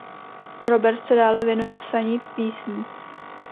Robert se dále věnuje psaní písní.